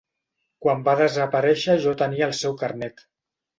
Quan va desaparèixer jo tenia el seu carnet.